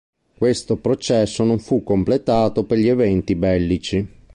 Questo processo non fu completato per gli eventi bellici.